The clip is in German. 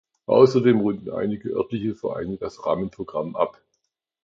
Außerdem runden einige örtliche Vereine das Rahmenprogramm ab.